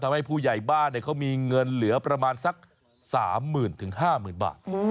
ทำให้ผู้ใหญ่บ้านเนี่ยเขามีเงินเหลือประมาณสัก๓๐๐๐๐ถึง๕๐๐๐๐บาท